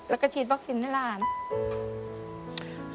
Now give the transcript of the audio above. แล้วก็คีดฟัคซินให้ราช